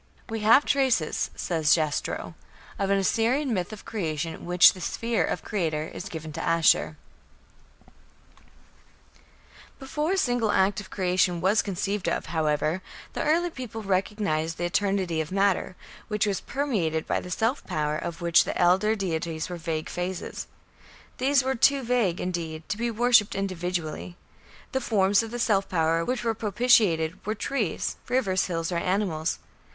"We have traces", says Jastrow, "of an Assyrian myth of Creation in which the sphere of creator is given to Ashur." Before a single act of creation was conceived of, however, the early peoples recognized the eternity of matter, which was permeated by the "self power" of which the elder deities were vague phases. These were too vague, indeed, to be worshipped individually. The forms of the "self power" which were propitiated were trees, rivers, hills, or animals.